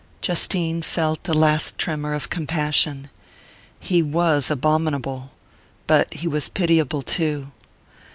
Justine felt a last tremor of compassion. He was abominable but he was pitiable too.